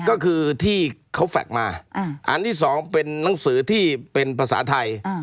ก็คือที่เขาแฟคมาอันที่สองเป็นนังสือที่เป็นภาษาไทย